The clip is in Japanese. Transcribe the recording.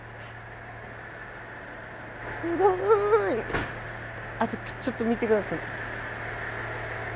すごい！ちょっと見てください。